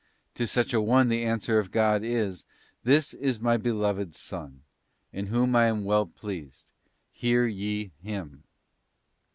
To such an one the answer of God is: 'This is My beloved Son, in whom I am well pleased, hear ye Him.